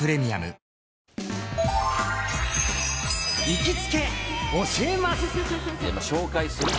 行きつけ教えます！